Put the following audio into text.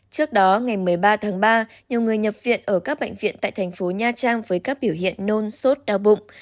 trước đó ngày một mươi ba tháng ba nhiều người nhập viện ở các bệnh viện tại thành phố nha trang với các biểu hiện nôn sốt đau bụng